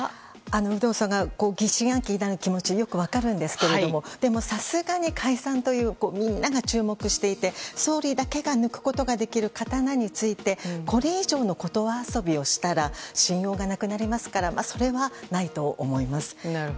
有働さんが疑心暗鬼になる気持ちはよく分かるんですけどもでも、さすがに解散というみんなが注目していて総理だけだが抜くことができる刀についてこれ以上の言葉遊びをしたら信用がなくなりますからそれはないと思います。